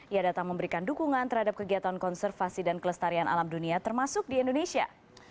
ia datang memberikan dukungan terhadap kegiatan konservasi dan kelestarian alam dunia termasuk di indonesia